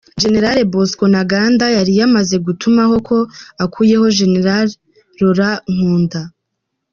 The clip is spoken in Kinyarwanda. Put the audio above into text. General Bosco Ntaganda yari yamaze gutumaho ko akuyeho General Laurent Nkunda.